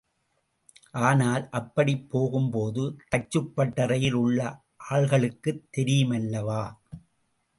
ஆனால், அப்படிப் போகும் போது தச்சுப்பட்டறையில் உள்ள ஆள்களுக்குத் தெரியுமல்லவா?